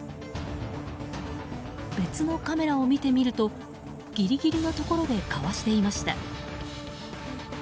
別のカメラを見てみるとギリギリのところでかわしていました。